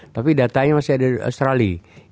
tapi datanya masih ada di australia